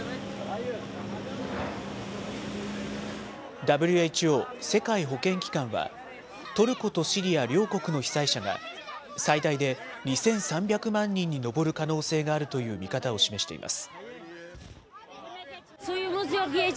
ＷＨＯ・世界保健機関は、トルコとシリア両国の被災者が、最大で２３００万人に上る可能性があるという見方を示しています。